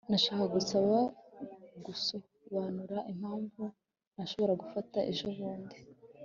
nashakaga gusa gusobanura impamvu ntashobora gufasha ejobundi